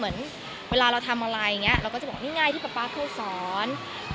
แต่เวลาทำอะไรเราก็จะบอกว่านี่ไงที่ป๊าป๊าเคยสอน